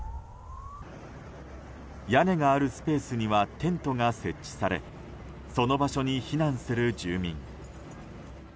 屋根があるスペースにはテントが設置されその場所に避難する住民。